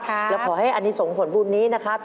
แล้วขอให้อันนี้ส่งผลบุญนี้นะครับ